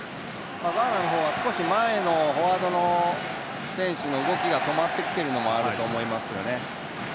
ガーナの方は少し前のフォワードの選手の動きが止まってきているのもあると思いますね。